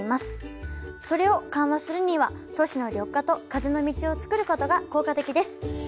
それを緩和するには都市の緑化と風の道を作ることが効果的です。